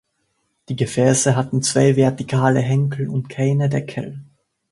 Die Gefäße hatten zwei vertikale Henkel und keine Deckel.